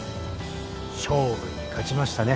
勝負に勝ちましたね。